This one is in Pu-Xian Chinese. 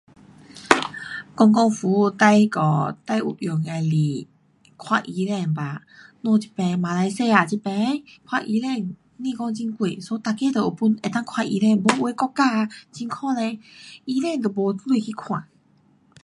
公共服务最那个，最有用的是，看医生吧，我们这边马来西亚这边看医生不讲很贵，so 每个都有本，能够看医生。不有的国家啊很可怜，医生都没钱去看。